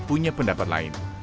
punya pendapat lain